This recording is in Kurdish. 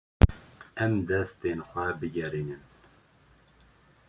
Em destên xwe bigerînin.